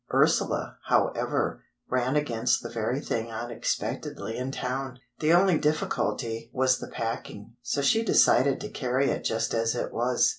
Ursula, however, ran against the very thing unexpectedly in town. The only difficulty was the packing, so she decided to carry it just as it was.